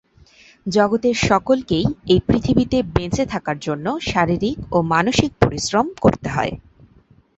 জগতের সকলকেই এই পৃথিবীতে বেঁচে থাকার জন্য শারীরিক ও মানসিক পরিশ্রম করতে হয়।